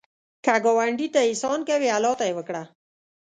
که ګاونډي ته احسان کوې، الله ته یې وکړه